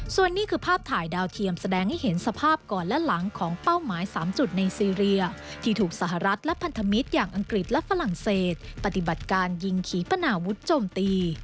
ส่วนนี้คือภาพถ่ายดาวเทียมแสดงให้เห็นสภาพก่อนและหลังของเป้าหมาย๓จุดในซีเรียที่ถูกสหรัฐและพันธมิตรอย่างอังกฤษและฝรั่งเศสปฏิบัติการยิงขี่ปนาวุฒิโจมตี